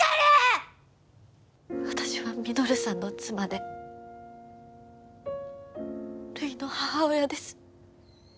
私は稔さんの妻でるいの母親です。